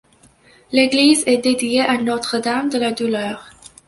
L'église est dédiée à Notre Dame de la Douleur.